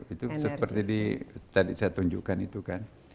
itu seperti tadi saya tunjukkan itu kan